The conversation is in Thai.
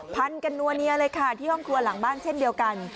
พันกันนัวเนียเลยค่ะที่ห้องครัวหลังบ้านเช่นเดียวกัน